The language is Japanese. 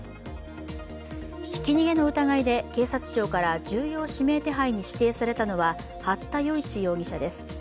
ひき逃げの疑いで警察庁から重要指名手配に指定されたのは八田與一容疑者です。